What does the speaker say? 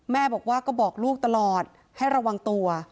แม่บอกว่าก็บอกลูกตลอดให้ระวังตัว